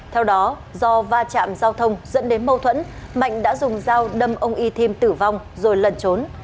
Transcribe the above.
theo đó do va chạm giao thông dẫn đến mâu thuẫn mạnh đã dùng dao đâm ông yithim tử vong rồi lần trốn